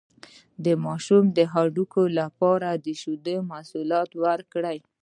د ماشوم د هډوکو لپاره د شیدو محصولات ورکړئ